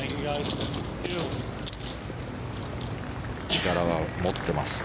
力は持っています。